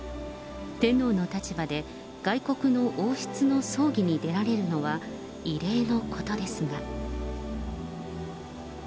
天皇の立場で外国の王室の葬儀に出られるのは、異例のことですが。